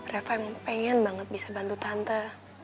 reva yang pengen banget bisa bantu tante